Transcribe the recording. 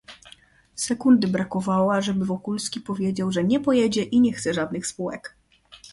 "Sekundy brakowało, ażeby Wokulski powiedział, że nie pojedzie i nie chce żadnych spółek."